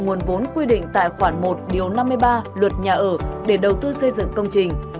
b nguồn vốn quy định tại khoảng một năm mươi ba luật nhà ở để đầu tư xây dựng công trình